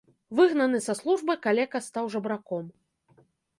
Выгнаны са службы, калека стаў жабраком.